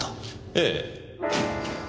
ええ。